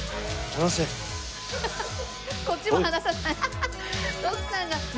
ハハハこっちも離さない。